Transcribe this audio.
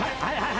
はい。